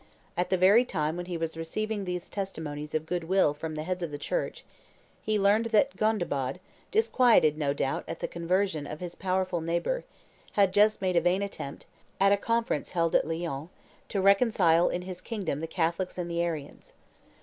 At the very time when he was receiving these testimonies of good will from the heads of the Church, he learned that Gondebaud, disquieted, no doubt, at the conversion of his powerful neighbor, had just made a vain attempt, at a conference held at Lyons, to reconcile in his kingdom the Catholics and the Arians.